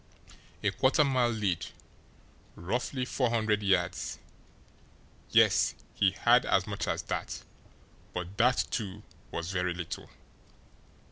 A quarter mile lead, roughly four hundred yards; yes, he had as much as that but that, too, was very little.